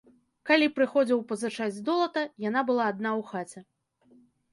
Калі прыходзіў пазычаць долата, яна была адна ў хаце.